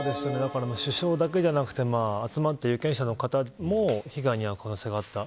首相だけではなくて集まった有権者の方も被害に遭う可能性があった。